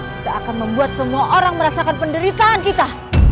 tidak akan membuat semua orang merasakan penderitaan kita